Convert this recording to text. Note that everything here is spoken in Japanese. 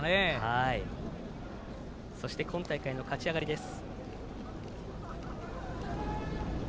そして今大会の勝ち上がりです。